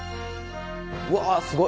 うわすごい。